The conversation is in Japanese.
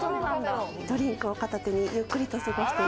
ドリンクを片手にゆっくりと過ごして。